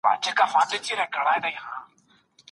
تاسو د یو خوشحاله ژوند وړ یاست.